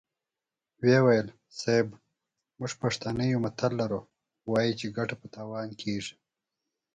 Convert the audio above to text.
ويې ويل: صيب! موږ پښتانه يو متل لرو، وايو چې ګټه په تاوان کېږي.